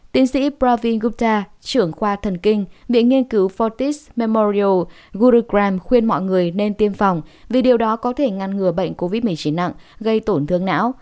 tiến sĩ pravin gupta trưởng khoa thần kinh bị nghiên cứu fortis memorial gurugram khuyên mọi người nên tiêm phòng vì điều đó có thể ngăn ngừa bệnh covid một mươi chín nặng gây tổn thương não